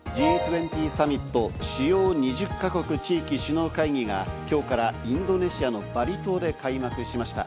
Ｇ２０サミット＝主要２０か国・地域首脳会議が、今日からインドネシアのバリ島で開幕しました。